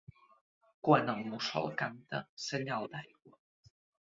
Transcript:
Quan el mussol canta, senyal d'aigua.